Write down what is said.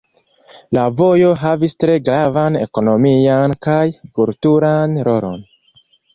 La vojo havis tre gravan ekonomian kaj kulturan rolon.